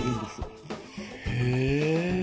へえ。